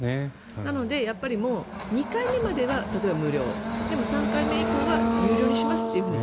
なので、例えば２回目までは無料でも３回目以降は有料にしますという。